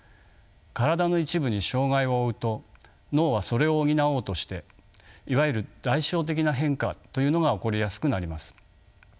体の一部に障がいを負うと脳はそれを補おうとしていわゆる代償的な変化というのが起こりやすくなります。